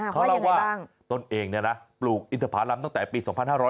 เพราะว่าต้นเองปลูกอินทธาพารำตั้งแต่ปี๒๕๕๗